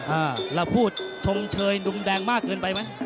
อ่าเราพูดชมเชยมุมแดงมากเกินไปไหม